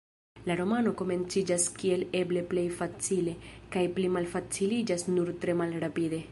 La romano komenciĝas kiel eble plej facile, kaj pli malfaciliĝas nur tre malrapide.